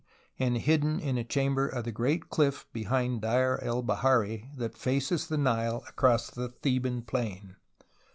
and hidden in a chamber in the great cliff (behind Deir el Bahari) that faces the Nile across the Theban plain.